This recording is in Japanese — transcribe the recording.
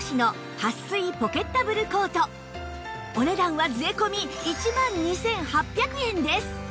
お値段は税込１万２８００円です